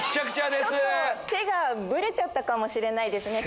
手がぶれちゃったかもしれないですね。